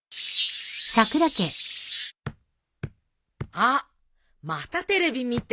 あっまたテレビ見て。